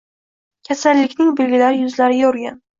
Kasallikning belgilari yuzlariga urgan.